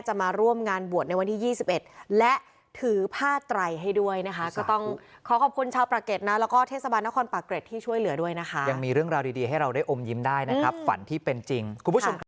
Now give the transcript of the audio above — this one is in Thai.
นั่นงานบวชในวันที่ยี่สิบเอ็ดและถือผ้าไตล์ให้ด้วยนะคะก็ต้องขอขอบคุณชาวปราเกร็จนะแล้วก็เทศบาลนครปราเกร็จที่ช่วยเหลือด้วยนะคะยังมีเรื่องราวดีดีให้เราได้อมยิ้มได้นะครับฝันที่เป็นจริงคุณผู้ชม